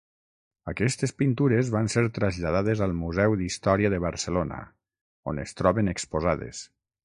Aquestes pintures van ser traslladades al Museu d'Història de Barcelona on es troben exposades.